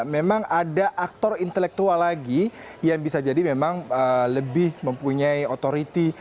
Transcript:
memang ada aktor intelektual lagi yang bisa jadi memang lebih mempunyai otoriti